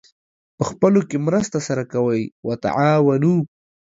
پخپلو کې مرسته سره کوئ : وتعاونوا